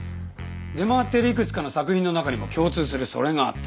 出回っているいくつかの作品の中にも共通するそれがあった。